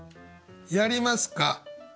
やりますか？